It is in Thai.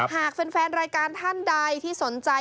หากแฟนรายการท่านใดที่สนใจ